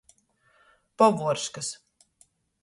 Povuorškys.